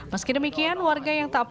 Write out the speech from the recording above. meski demikian warga yang tak